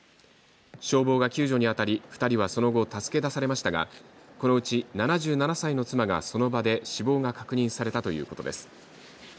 消防が救助に当たり２人はその後助け出されましたがこのうち７７歳の妻がその場で死亡が確認されたということです。